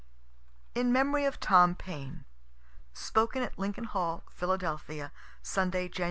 IN MEMORY OF THOMAS PAINE. _Spoken at Lincoln Hall, Philadelphia, Sunday, Jan.